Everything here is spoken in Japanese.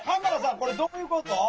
これどういうこと？